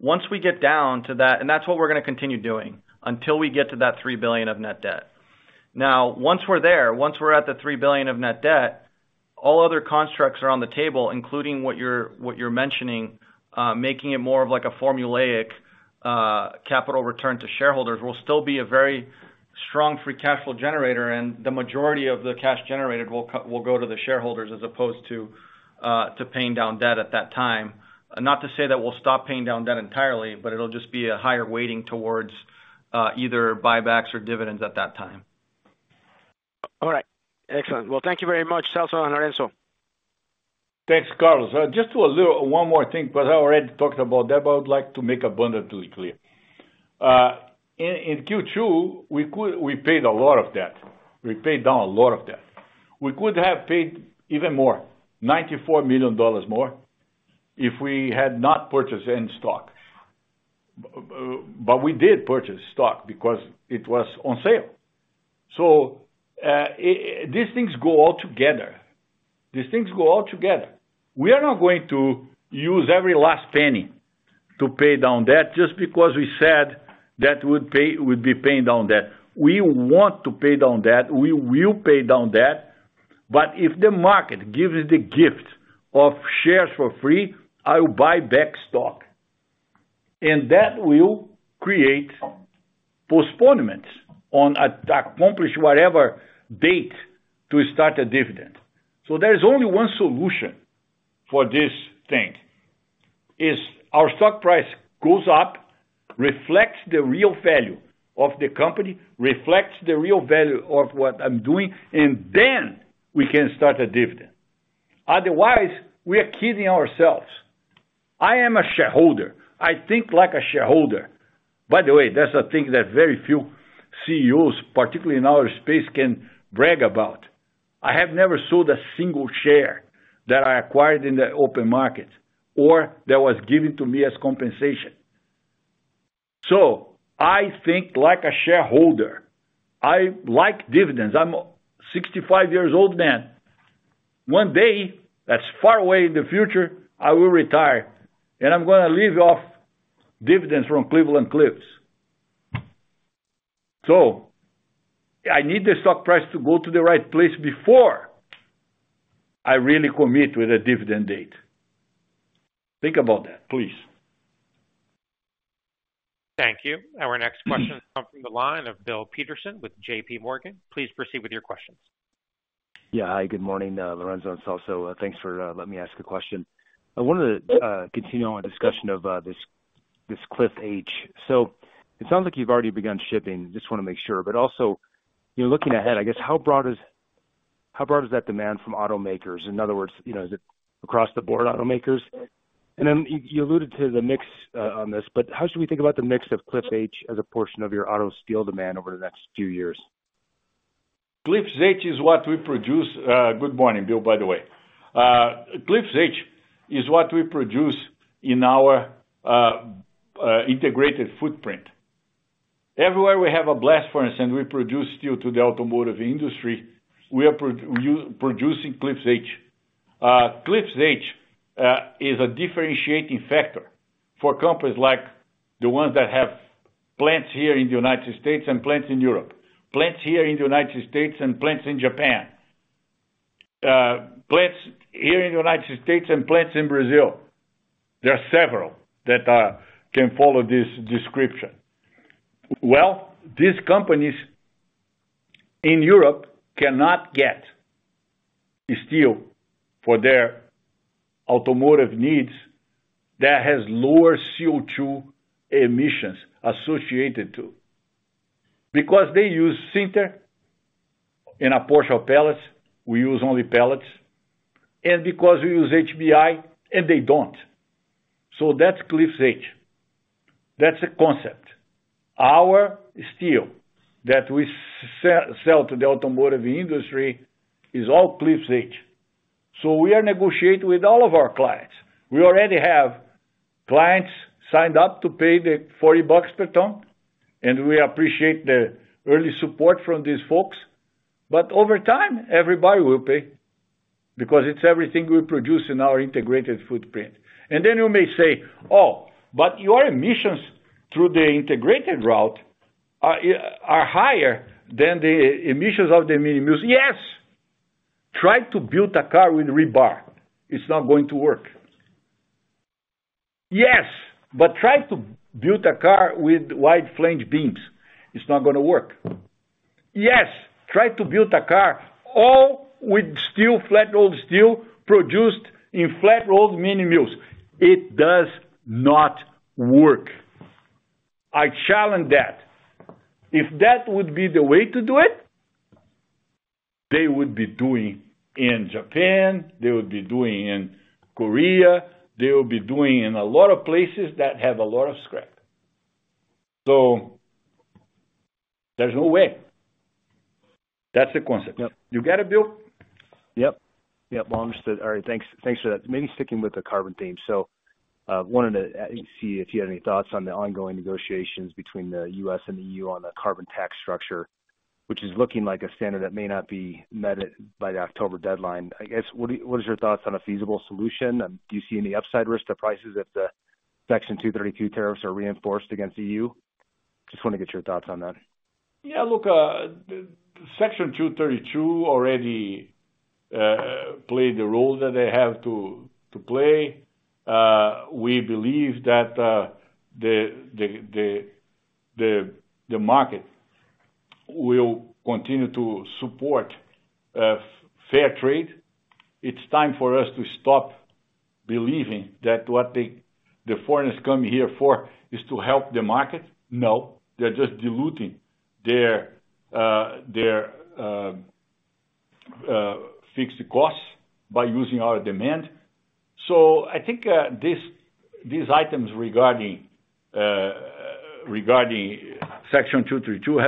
Once we get down to that... That's what we're gonna continue doing until we get to that $3 billion of net debt. Once we're there, once we're at the $3 billion of net debt, all other constructs are on the table, including what you're mentioning, making it more of like a formulaic, capital return to shareholders. We'll still be a very strong free cash flow generator, the majority of the cash generated will go to the shareholders, as opposed to paying down debt at that time. Not to say that we'll stop paying down debt entirely, but it'll just be a higher weighting towards, either buybacks or dividends at that time. All right. Excellent. Thank you very much, Celso and Lourenco. Thanks, Carlos. Just one more thing, but I already talked about that, but I would like to make abundantly clear. In Q2, we paid a lot of debt. We paid down a lot of debt. We could have paid even more, $94 million more, if we had not purchased any stock. We did purchase stock because it was on sale. These things go all together. These things go all together. We are not going to use every last penny to pay down debt, just because we said that we'd be paying down debt. We want to pay down debt. We will pay down debt, but if the market gives the gift of shares for free, I will buy back stock, and that will create postponements on accomplish whatever date to start a dividend. There is only one solution for this thing, is our stock price goes up, reflects the real value of the company, reflects the real value of what I'm doing, and then we can start a dividend. Otherwise, we are kidding ourselves. I am a shareholder. I think like a shareholder. That's a thing that very few CEOs, particularly in our space, can brag about. I have never sold a single share that I acquired in the open market or that was given to me as compensation. I think like a shareholder, I like dividends. I'm a 65 years old man. One day, that's far away in the future, I will retire, and I'm gonna live off dividends from Cleveland-Cliffs. I need the stock price to go to the right place before I really commit with a dividend date. Think about that, please. Thank you. Our next question comes from the line of Bill Peterson with JPMorgan. Please proceed with your questions. Hi, good morning, Lourenco, Celso. Thanks for letting me ask a question. I wanted to continue on a discussion of this Cliffs H. It sounds like you've already begun shipping. Just wanna make sure. Also, you know, looking ahead, I guess, how broad is that demand from automakers? In other words, you know, is it across the board automakers? Then you alluded to the mix on this, but how should we think about the mix of Cliffs H as a portion of your auto steel demand over the next few years? Cliffs H is what we produce. Good morning, Bill, by the way. Cliffs H is what we produce in our integrated footprint. Everywhere we have a blast, for instance, we produce steel to the automotive industry, we are producing Cliffs H. Cliffs H is a differentiating factor for companies like the ones that have plants here in the United States and plants in Europe, plants here in the United States and plants in Japan, plants here in the United States and plants in Brazil. There are several that can follow this description. Well, these companies in Europe cannot get the steel for their automotive needs that has lower CO2 emissions associated to, because they use sinter in a portion of pellets, we use only pellets, and because we use HBI, and they don't. That's Cliffs H. That's a concept. Our steel that we sell to the automotive industry is all Cliffs H. We are negotiating with all of our clients. We already have clients signed up to pay the $40 per ton, and we appreciate the early support from these folks. Over time, everybody will pay because it's everything we produce in our integrated footprint. Then you may say, "Oh, but your emissions through the integrated route are higher than the emissions of the mini mills." Yes! Try to build a car with rebar. It's not going to work. Yes, try to build a car with wide flange beams. It's not gonna work. Yes, try to build a car all with steel, flat-rolled steel, produced in flat-rolled mini mills. It does not work. I challenge that. If that would be the way to do it, they would be doing in Japan, they would be doing in Korea, they will be doing in a lot of places that have a lot of scrap. There's no way. That's the concept. Yep. You get it, Bill? Yep. Yep. Well, understood. All right, thanks. Thanks for that. Maybe sticking with the carbon theme. Wanted to see if you had any thoughts on the ongoing negotiations between the U.S. and the E.U. on the carbon tax structure, which is looking like a standard that may not be met by the October deadline. I guess, what is your thoughts on a feasible solution? Do you see any upside risk to prices if the Section 232 tariffs are reinforced against EU? Just wanna get your thoughts on that. Yeah, look, Section 232 already played the role that they have to play. We believe that the market will continue to support fair trade. It's time for us to stop believing that what the foreigners come here for is to help the market. No, they're just diluting their fixed costs by using our demand. I think these items regarding Section 232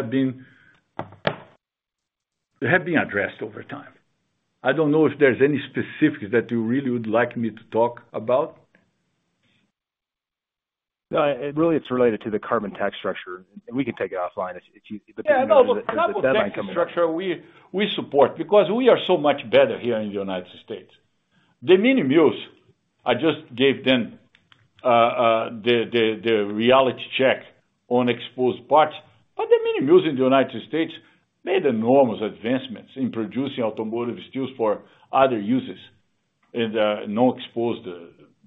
have been addressed over time. I don't know if there's any specifics that you really would like me to talk about. It really, it's related to the carbon tax structure. We can take it offline. Yeah, no, the carbon tax structure, we support because we are so much better here in the United States. The mini mills, I just gave them the reality check on exposed parts, but the mini mills in the United States made enormous advancements in producing automotive steels for other uses and no exposed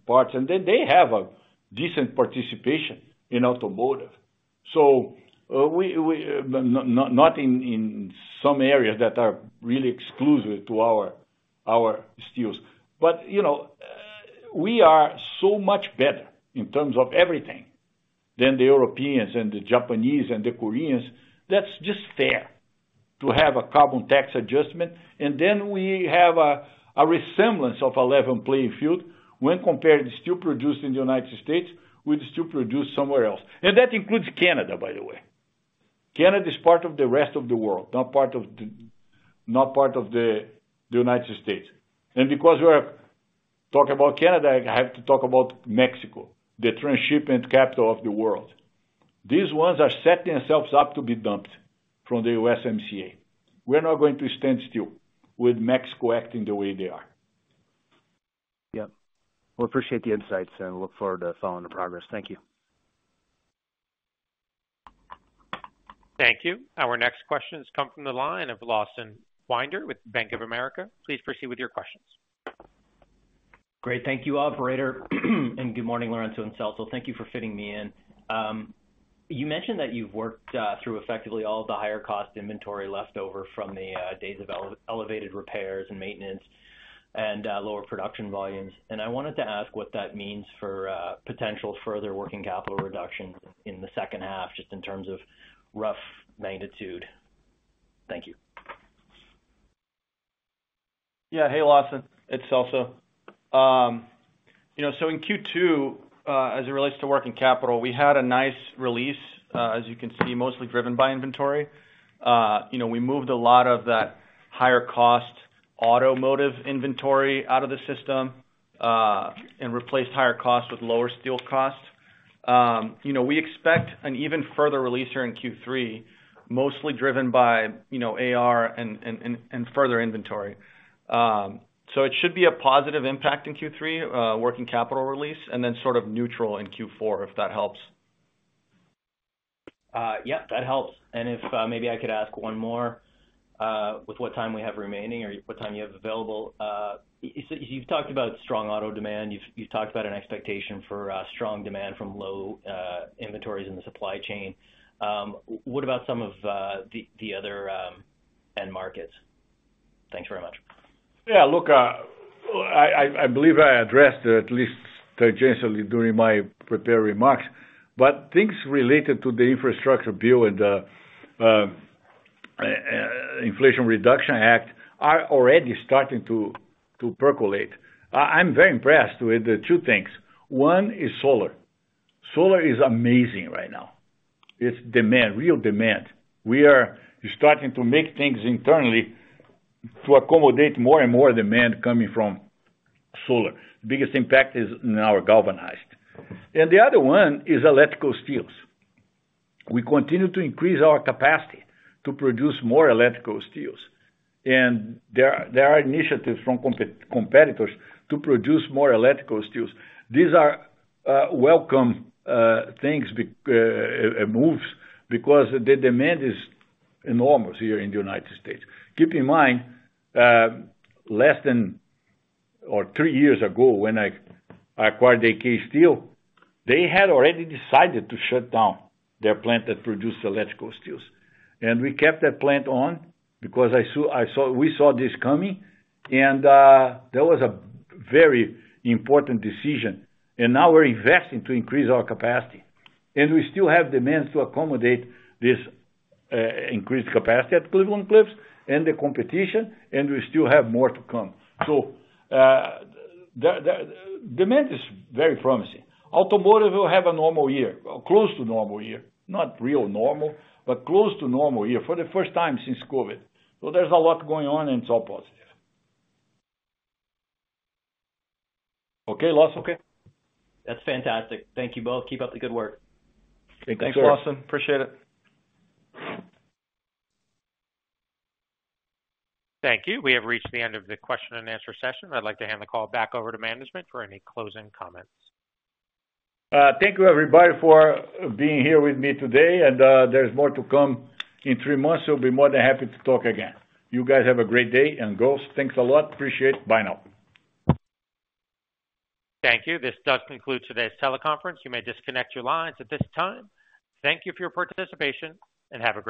parts, and then they have a decent participation in automotive, not in some areas that are really exclusive to our steels. You know, we are so much better in terms of everything than the Europeans and the Japanese and the Koreans. That's just fair to have a carbon tax adjustment, we have a resemblance of a level playing field when compared to steel produced in the United States with the steel produced somewhere else. That includes Canada, by the way. Canada is part of the rest of the world, not part of the United States. Because talk about Canada, I have to talk about Mexico, the transshipment capital of the world. These ones are setting themselves up to be dumped from the USMCA. We're not going to stand still with Mexico acting the way they are. Yeah. Well, appreciate the insights, and look forward to following the progress. Thank you. Thank you. Our next question has come from the line of Lawson Winder with Bank of America. Please proceed with your questions. Great. Thank you, operator, and good morning, Lourenco and Celso. Thank you for fitting me in. You mentioned that you've worked through effectively all of the higher cost inventory left over from the days of elevated repairs and maintenance and lower production volumes. I wanted to ask what that means for potential further working capital reduction in the second half, just in terms of rough magnitude. Thank you. Yeah. Hey, Lawson, it's Celso. In Q2, as it relates to working capital, we had a nice release, as you can see, mostly driven by inventory. We moved a lot of that higher cost automotive inventory out of the system, and replaced higher costs with lower steel costs. We expect an even further release here in Q3, mostly driven by AR and further inventory. It should be a positive impact in Q3, working capital release, and then sort of neutral in Q4, if that helps. Yep, that helps. If, maybe I could ask one more, with what time we have remaining or what time you have available. You've talked about strong auto demand. You've talked about an expectation for strong demand from low inventories in the supply chain. What about some of the other end markets? Thanks very much. Look, I believe I addressed, at least tangentially during my prepared remarks, but things related to the infrastructure bill and the Inflation Reduction Act are already starting to percolate. I'm very impressed with the two things. One is solar. Solar is amazing right now. It's demand, real demand. We are starting to make things internally to accommodate more and more demand coming from solar. The biggest impact is in our galvanized. The other one is electrical steels. We continue to increase our capacity to produce more electrical steels, and there are initiatives from competitors to produce more electrical steels. These are welcome moves, because the demand is enormous here in the United States. Keep in mind, less than or three years ago, when I acquired AK Steel, they had already decided to shut down their plant that produced electrical steels. We kept that plant on because we saw this coming, that was a very important decision. Now we're investing to increase our capacity, and we still have demands to accommodate this increased capacity at Cleveland-Cliffs and the competition, and we still have more to come. The demand is very promising. Automotive will have a normal year, close to normal year. Not real normal, but close to normal year for the first time since COVID. There's a lot going on, and it's all positive. Okay, Lawson? That's fantastic. Thank you both. Keep up the good work. Thank you, sir. Thanks, Lawson. Appreciate it. Thank you. We have reached the end of the question and answer session. I'd like to hand the call back over to management for any closing comments. Thank you, everybody, for being here with me today. There's more to come in three months. We'll be more than happy to talk again. You guys have a great day and girls. Thanks a lot. Appreciate it. Bye now. Thank you. This does conclude today's teleconference. You may disconnect your lines at this time. Thank you for your participation, and have a great day.